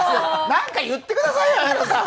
何か言ってくださいよ、綾野さん。